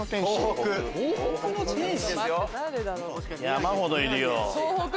山ほどいるよ